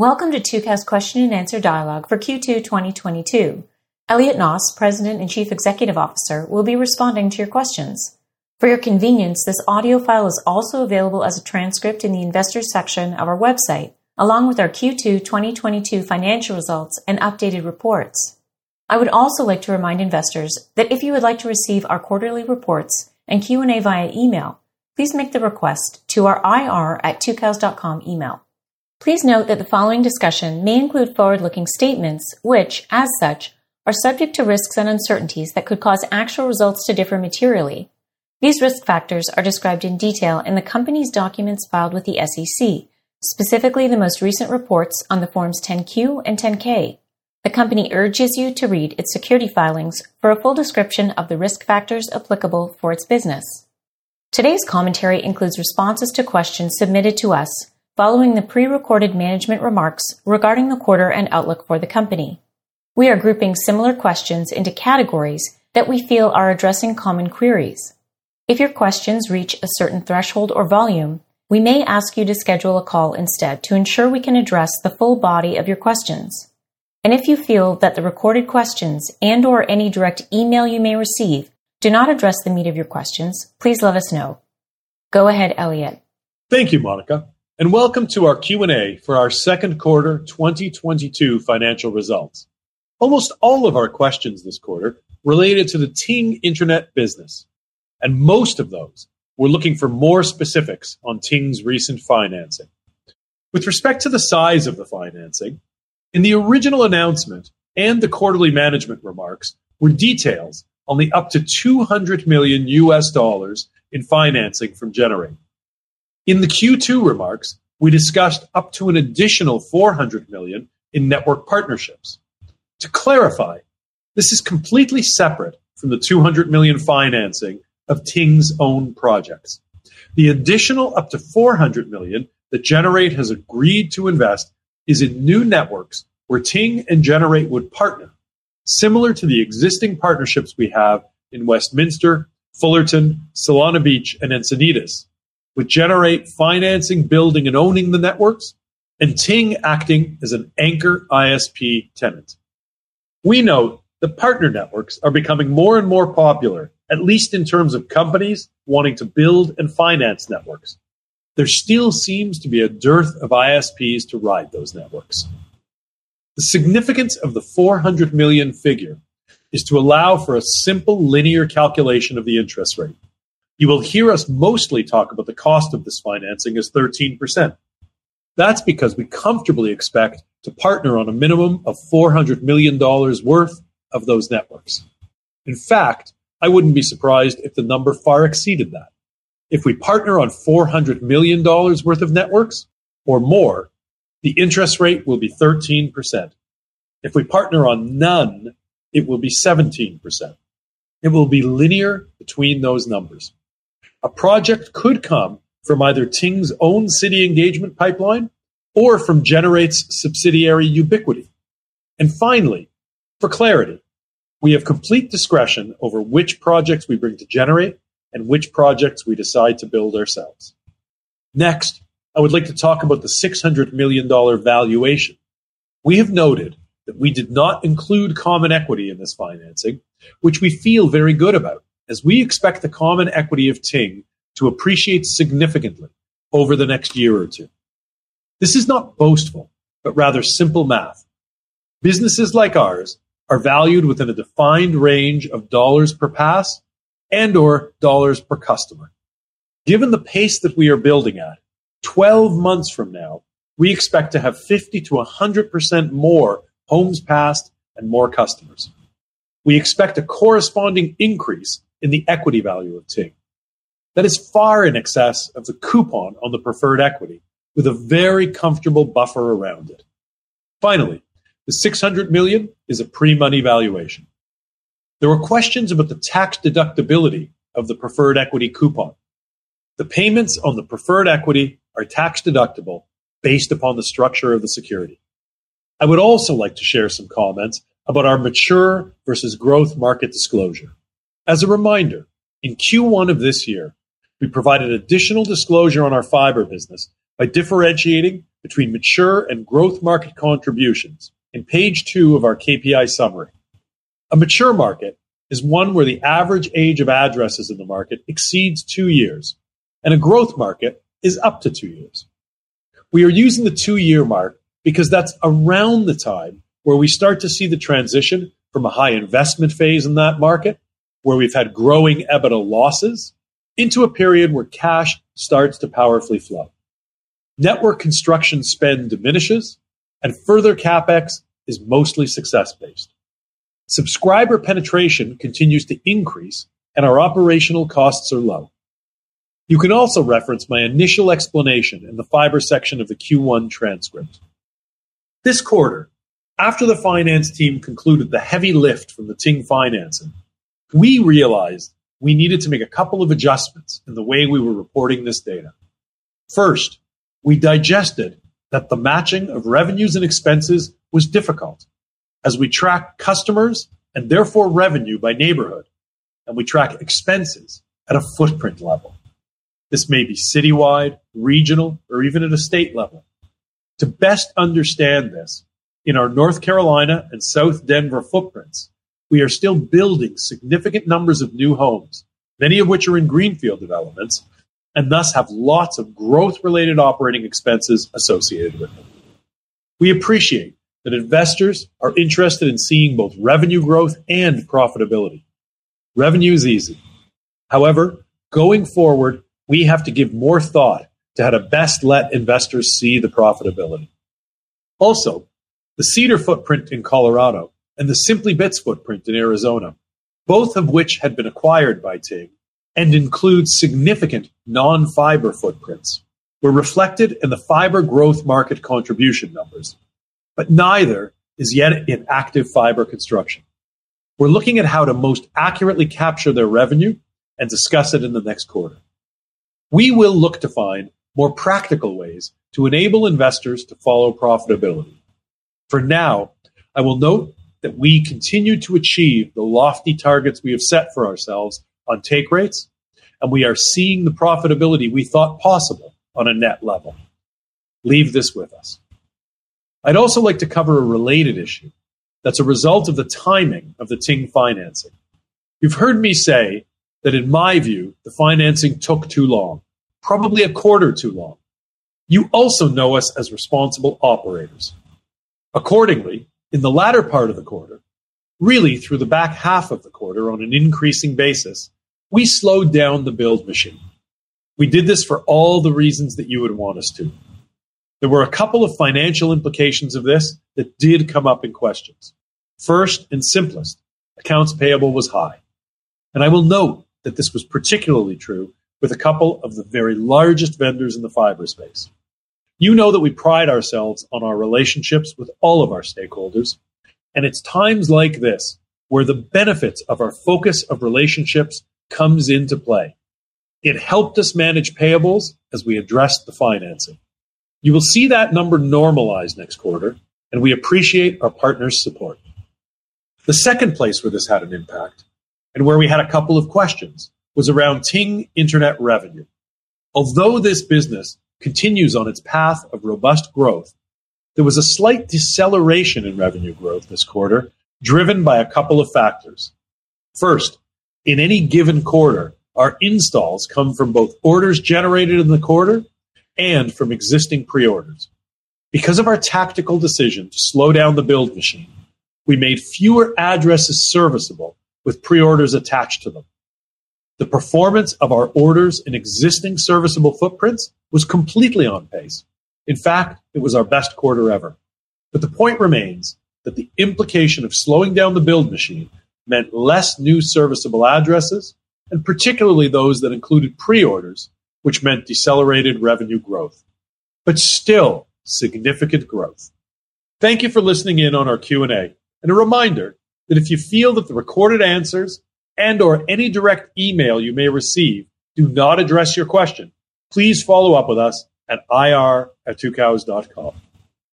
Welcome to Tucows question and answer dialogue for Q2 2022. Elliot Noss, President and Chief Executive Officer, will be responding to your questions. For your convenience, this audio file is also available as a transcript in the Investors section of our website, along with our Q2 2022 financial results and updated reports. I would also like to remind investors that if you would like to receive our quarterly reports and Q&A via email, please make the request to our ir@tucows.com email. Please note that the following discussion may include forward-looking statements, which, as such, are subject to risks and uncertainties that could cause actual results to differ materially. These risk factors are described in detail in the company's documents filed with the SEC, specifically the most recent reports on Forms 10-Q and 10-K. The company urges you to read its SEC filings for a full description of the risk factors applicable for its business. Today's commentary includes responses to questions submitted to us following the prerecorded management remarks regarding the quarter and outlook for the company. We are grouping similar questions into categories that we feel are addressing common queries. If your questions reach a certain threshold or volume, we may ask you to schedule a call instead to ensure we can address the full body of your questions. If you feel that the recorded questions and/or any direct email you may receive do not address the meat of your questions, please let us know. Go ahead, Elliot. Thank you, Monica, and welcome to our Q&A for our second quarter 2022 financial results. Almost all of our questions this quarter related to the Ting Internet business, and most of those were looking for more specifics on Ting's recent financing. With respect to the size of the financing, in the original announcement and the quarterly management remarks were details on up to $200 million in financing from Generate. In the Q2 remarks, we discussed up to an additional $400 million in network partnerships. To clarify, this is completely separate from the $200 million financing of Ting's own projects. The additional up to $400 million that Generate has agreed to invest is in new networks where Ting and Generate would partner, similar to the existing partnerships we have in Westminster, Fullerton, Solana Beach, and Encinitas, with Generate financing, building, and owning the networks and Ting acting as an anchor ISP tenant. We note that partner networks are becoming more and more popular, at least in terms of companies wanting to build and finance networks. There still seems to be a dearth of ISPs to ride those networks. The significance of the $400 million figure is to allow for a simple linear calculation of the interest rate. You will hear us mostly talk about the cost of this financing as 13%. That's because we comfortably expect to partner on a minimum of $400 million worth of those networks. In fact, I wouldn't be surprised if the number far exceeded that. If we partner on $400 million worth of networks or more, the interest rate will be 13%. If we partner on none, it will be 17%. It will be linear between those numbers. A project could come from either Ting's own city engagement pipeline or from Generate Capital's subsidiary, Ubiquity. Finally, for clarity, we have complete discretion over which projects we bring to Generate Capital and which projects we decide to build ourselves. Next, I would like to talk about the $600 million valuation. We have noted that we did not include common equity in this financing, which we feel very good about, as we expect the common equity of Ting to appreciate significantly over the next year or two. This is not boastful, but rather simple math. Businesses like ours are valued within a defined range of dollars per pass and/or dollars per customer. Given the pace that we are building at, 12 months from now, we expect to have 50%-100% more homes passed and more customers. We expect a corresponding increase in the equity value of Ting. That is far in excess of the coupon on the preferred equity with a very comfortable buffer around it. Finally, the $600 million is a pre-money valuation. There were questions about the tax deductibility of the preferred equity coupon. The payments on the preferred equity are tax-deductible based upon the structure of the security. I would also like to share some comments about our mature versus growth market disclosure. As a reminder, in Q1 of this year, we provided additional disclosure on our fiber business by differentiating between mature and growth market contributions in page two of our KPI summary. A mature market is one where the average age of addresses in the market exceeds two years, and a growth market is up to two years. We are using the two-year mark because that's around the time where we start to see the transition from a high investment phase in that market, where we've had growing EBITDA losses, into a period where cash starts to powerfully flow. Network construction spend diminishes, and further CapEx is mostly success-based. Subscriber penetration continues to increase, and our operational costs are low. You can also reference my initial explanation in the fiber section of the Q1 transcript. This quarter, after the finance team concluded the heavy lift from the Ting financing, we realized we needed to make a couple of adjustments in the way we were reporting this data. First, we digested that the matching of revenues and expenses was difficult as we track customers, and therefore revenue, by neighborhood, and we track expenses at a footprint level. This may be citywide, regional, or even at a state level. To best understand this, in our North Carolina and South Denver footprints, we are still building significant numbers of new homes, many of which are in greenfield developments and thus have lots of growth-related operating expenses associated with them. We appreciate that investors are interested in seeing both revenue growth and profitability. Revenue is easy. However, going forward, we have to give more thought to how to best let investors see the profitability. Also, the Cedar footprint in Colorado and the Simply Bits footprint in Arizona, both of which had been acquired by Ting and include significant non-fiber footprints, were reflected in the fiber growth market contribution numbers, but neither is yet in active fiber construction. We're looking at how to most accurately capture their revenue and discuss it in the next quarter. We will look to find more practical ways to enable investors to follow profitability. For now, I will note that we continue to achieve the lofty targets we have set for ourselves on take rates, and we are seeing the profitability we thought possible on a net level. Leave this with us. I'd also like to cover a related issue that's a result of the timing of the Ting financing. You've heard me say that in my view, the financing took too long, probably a quarter too long. You also know us as responsible operators. Accordingly, in the latter part of the quarter, really through the back half of the quarter on an increasing basis, we slowed down the build machine. We did this for all the reasons that you would want us to. There were a couple of financial implications of this that did come up in questions. First and simplest, accounts payable was high. I will note that this was particularly true with a couple of the very largest vendors in the fiber space. You know that we pride ourselves on our relationships with all of our stakeholders, and it's times like this where the benefits of our focus on relationships comes into play. It helped us manage payables as we addressed the financing. You will see that number normalize next quarter, and we appreciate our partners' support. The second place where this had an impact and where we had a couple of questions was around Ting Internet revenue. Although this business continues on its path of robust growth, there was a slight deceleration in revenue growth this quarter, driven by a couple of factors. First, in any given quarter, our installs come from both orders generated in the quarter and from existing pre-orders. Because of our tactical decision to slow down the build machine, we made fewer addresses serviceable with pre-orders attached to them. The performance of our orders in existing serviceable footprints was completely on pace. In fact, it was our best quarter ever. The point remains that the implication of slowing down the build machine meant less new serviceable addresses, and particularly those that included pre-orders, which meant decelerated revenue growth, but still significant growth. Thank you for listening in on our Q&A. A reminder that if you feel that the recorded answers and/or any direct email you may receive do not address your question, please follow up with us at ir@tucows.com.